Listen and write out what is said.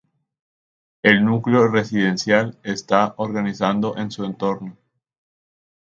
El núcleo residencial está organizado en su entorno.